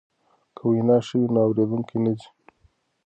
که وینا ښه وي نو اوریدونکی نه ځي.